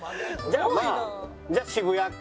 じゃあまあ渋谷辺りで。